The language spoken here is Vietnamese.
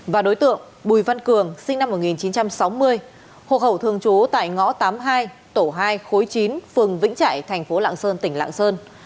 và đối tượng bùi văn cường sinh năm một nghìn chín trăm sáu mươi hộ khẩu thường trú tại ngõ tám mươi hai tổ hai khối chín phường vĩnh trại thành phố lạng sơn tỉnh lạng sơn